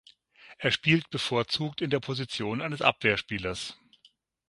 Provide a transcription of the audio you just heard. Er spielt bevorzugt in der Position eines Abwehrspielers.